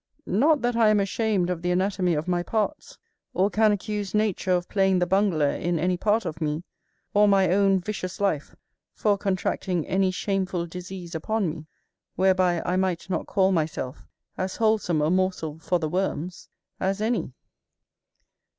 _" Not that I am ashamed of the anatomy of my parts, or can accuse nature of playing the bungler in any part of me, or my own vicious life for contracting any shameful disease upon me, whereby I might not call myself as wholesome a morsel for the worms as any.